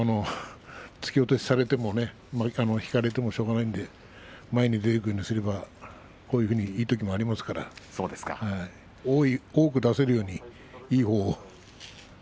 突き落としされても引かれてもしょうがないので前に出ていくようにすればこういうふうにいいときもありますから多く出せるように、いいほうを。